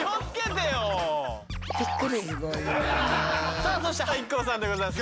さあそしてＩＫＫＯさんでございます。